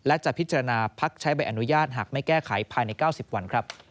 และจะพิจารณาพักใช้ใบอนุญาตหากไม่แก้ไขภายใน๙๐วันครับ